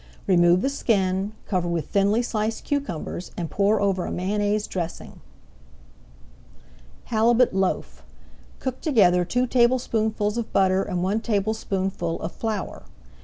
Remove the skin, cover with thinly sliced cucumbers, and pour over a Mayonnaise dressing. HALIBUT LOAF Cook together two tablespoonfuls of butter and one tablespoonful of flour.